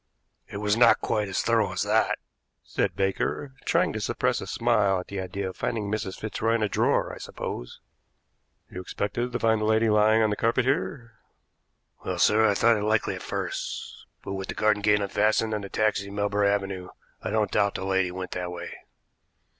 "It was not quite as thorough as that," said Baker, trying to suppress a smile at the idea of finding Mrs. Fitzroy in a drawer, I suppose. "You expected to find the lady lying on the carpet here?" "Well, sir, I thought it likely at first; but, with the garden gate unfastened and the taxi in Melbury Avenue, I don't doubt the lady went that way."